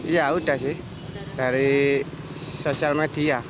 ya udah sih dari sosial media